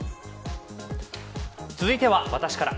続いては私から。